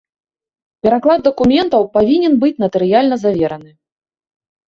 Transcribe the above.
Пераклад дакументаў павінен быць натарыяльна завераны.